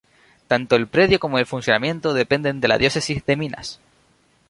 Tanto el predio como el funcionamiento dependen de la Diócesis de Minas.